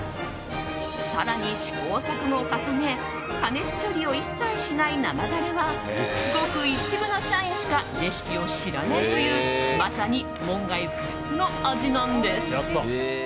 更に、試行錯誤を重ね加熱処理を一切しない生タレはごく一部の社員しかレシピを知らないというまさに門外不出の味なんです。